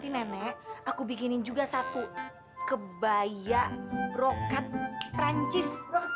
bener bikin langsing berakan perancis